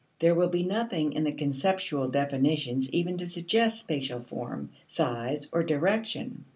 There will be nothing in the conceptual definitions even to suggest spatial form, size, or direction.